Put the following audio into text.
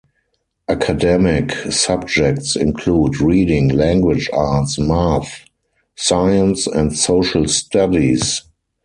Academic subjects include reading, language arts, math, science, and social studies.